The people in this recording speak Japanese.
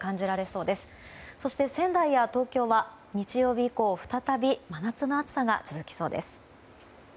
そして仙台や東京は日曜日以降再び真夏の暑さが続きそうです。